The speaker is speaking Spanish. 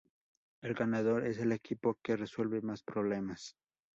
El ganador es el equipo que resuelve más problemas.